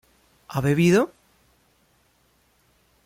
¿ha bebido?